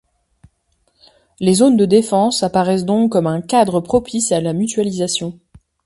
Les zones de défense apparaissent donc comme un cadre propice à la mutualisation.